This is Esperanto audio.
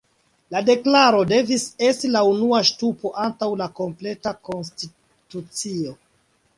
La Deklaro devis esti la unua ŝtupo antaŭ kompleta konstitucio.